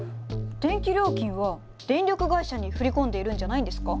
電気料金は電力会社に振り込んでいるんじゃないんですか？